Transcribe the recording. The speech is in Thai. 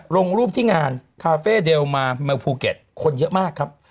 ลงรูปที่งานคาเฟ่เดลมาเมืองภูเก็ตคนเยอะมากครับ